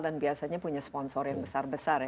dan biasanya punya sponsor yang besar besar ya